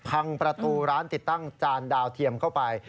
พังประตูร้านติดตั้งจานดาวเทียมเข้าไป